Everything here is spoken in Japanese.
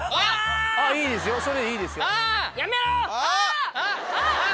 いいですよそれいいですよ。